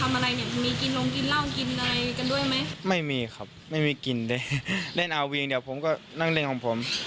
อะไรเนี่ยมีกินลงกินเหล้ากินอะไรกันด้วยไหมไม่มีครับไม่มีกินเลยเล่นอาเวียงเดี๋ยวผมก็นั่งเล่นของผม